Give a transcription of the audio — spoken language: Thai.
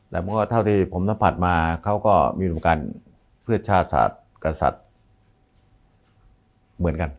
แล้วก็เท่าที่ผมสัมผัสมาเขาก็มีโครงการเพื่อชาติกษัตริย์เหมือนกัน